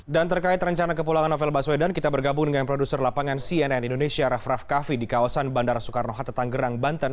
dan terkait rencana kepulangan novel baswedan kita bergabung dengan produser lapangan cnn indonesia raff raff kaffi di kawasan bandara soekarno hatta tangerang banten